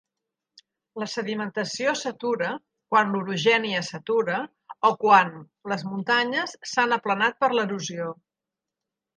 La sedimentació s'atura quan l'orogènia s'atura o quan les muntanyes s'han aplanat per l'erosió.